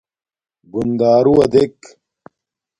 گُندݳرُوݳ دݵک.